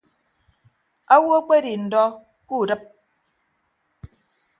Owo akpedi ndọ kudịp.